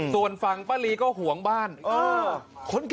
ส่วนฝั่งป้าลีก็ห่วงบ้าน